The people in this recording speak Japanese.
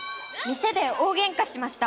店で大ゲンカしました！